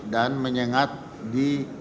dan menyengat di